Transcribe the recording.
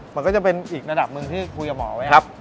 มันก็จะเป็นอีกระดับหนึ่งที่คุยกับหมอไว้